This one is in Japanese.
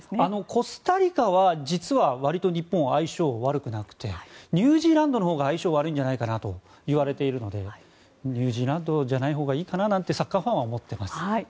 コスタリカは実は割と日本、相性悪くなくてニュージーランドのほうが相性悪いんじゃないかと言われているんでニュージーランドじゃないほうがいいかななんてサッカーファンは思ってます。